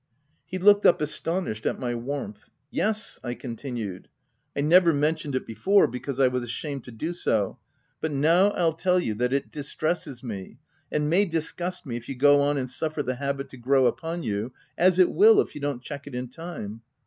He looked up asto nished at my warmth, iC Yes," I continued. " I never mentioned it before, because I was ashamed to do so ; but now I'll tell you that it distresses me, and may disgust me, if you go on and suffer the habit to grow upon you, as it will, if you don't check it in time.